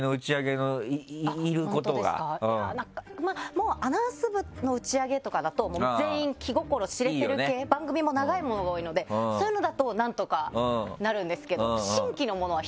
もうアナウンス部の打ち上げとかだと全員気心知れてる系番組も長いものが多いのでそういうのだとなんとかなるんですけど。